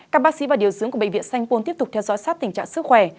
các bác sĩ và điều dưỡng của bệnh viện sanh pôn tiếp tục theo dõi sát tình trạng sức khỏe